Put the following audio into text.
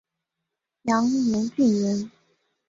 杨延俊人。